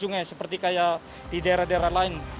sungai seperti kayak di daerah daerah lain